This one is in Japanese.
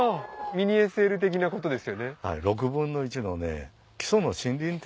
ミニＳＬ的なことですよね？